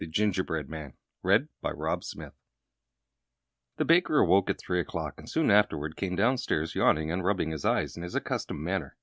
The Gingerbread Man The baker awoke at three o'clock, and soon afterward came downstairs yawning and rubbing his eyes in his accustomed manner.